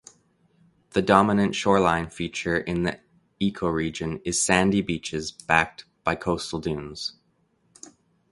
The dominant shoreline feature in the ecoregion is sandy beaches backed by coastal dunes.